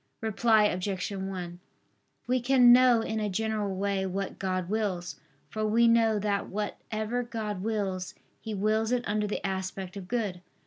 Reply Obj. 1: We can know in a general way what God wills. For we know that whatever God wills, He wills it under the aspect of good.